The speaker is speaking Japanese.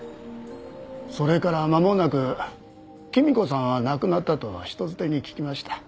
それからまもなくきみ子さんは亡くなったと人づてに聞きました。